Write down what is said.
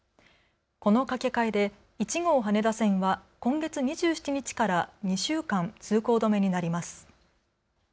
この架け替えで１号羽田線は今月２７日から２週間、通行止めになります。